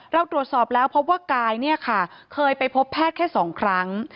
เราตรวจสอบแล้วเพราะว่ากายเคยไปพบแพทย์แค่๒ครั้ง